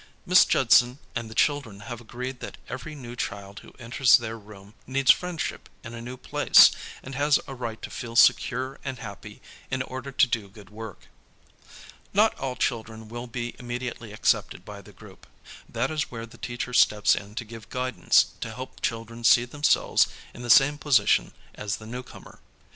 Miss Judson and the children have agreed that every new child who enters their room needs friendship in a new place, and has a right to feel secure and happy in order to do good work. Not all children w ill be immediately accepted by the group. That is where the teacher steps in to give guidance to help children see themselves in the same position as the newcomer.